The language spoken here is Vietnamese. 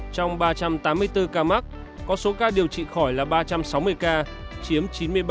trong ba trăm tám mươi bốn ca mắc có số ca điều trị khỏi là ba trăm sáu mươi ca chiếm chín mươi ba